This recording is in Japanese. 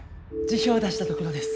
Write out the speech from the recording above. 辞表出したところです。